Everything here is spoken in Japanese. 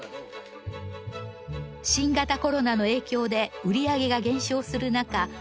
新型コロナの影響で売り上げが減少するなか